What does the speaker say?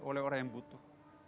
oleh orang yang butuh